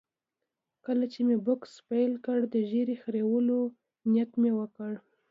کله چې مې بوکس پیل کړ، د ږیرې خریلو نیت مې وکړ.